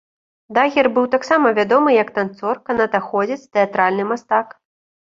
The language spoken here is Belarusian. Дагер быў таксама вядомы як танцор, канатаходзец, тэатральны мастак.